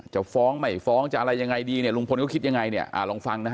จะฟ้องใหม่ฟ้องจะอะไรยังไงดีหลุงพนก็คิดยังไงค่ะลองฟังนะฮะ